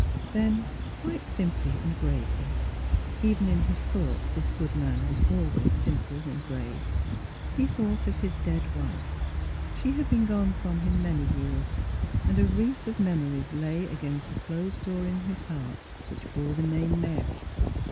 Then, quite simply and gravely — even in his thoughts this good man was always simple and grave — he thought of his dead wife. She had been gone from him many years, and a wreath of memories lay against the closed door in his heart which bore the name Mary.